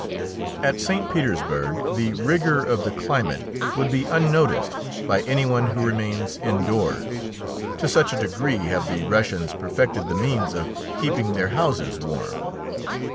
At St. Petersburg the rigour of the climate would be unnoticed by any one who remains indoors, to such a degree have the Russians perfected the means of keeping their houses warm.